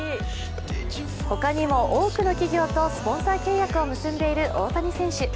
他にも多くの企業とスポンサー契約を結んでいる大谷選手。